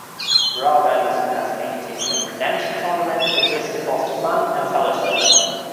Rob Anderson has maintained that Redemption Tournaments exist to foster fun and fellowship.